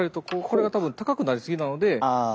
これが多分高くなりすぎなので外れるんです。